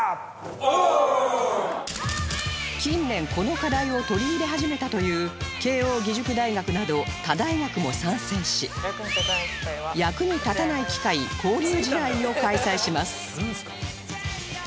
近年この課題を取り入れ始めたという慶應義塾大学など他大学も参戦し役に立たない機械交流試合を開催します